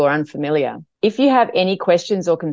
jika anda memiliki pertanyaan atau kesalahan